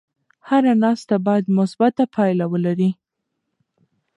هره ناسته باید مثبته پایله ولري.